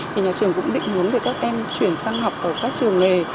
thì nhà trường cũng định muốn để các em chuyển sang học ở các trường nghề